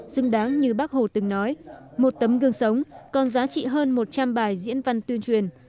xứng đáng như bác hồ từng nói một tấm gương sống còn giá trị hơn một trăm linh bài diễn văn tuyên truyền